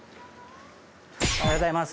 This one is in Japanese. おはようございます。